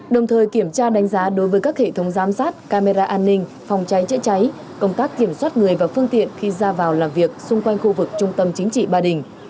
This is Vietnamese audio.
đồng thời kiểm tra đánh giá đối với các hệ thống giám sát camera an ninh phòng cháy chữa cháy công tác kiểm soát người và phương tiện khi ra vào làm việc xung quanh khu vực trung tâm chính trị ba đình